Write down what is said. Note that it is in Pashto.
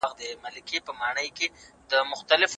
محتکرینو د خلکو اړتیاوو ته هیڅ پام ونه کړ.